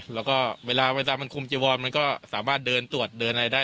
แล้วก็เวลาเวลามันคุมจีวอนมันก็สามารถเดินตรวจเดินอะไรได้